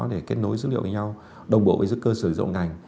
để kết nối dữ liệu với nhau đồng bộ với dữ cơ sở dụng ngành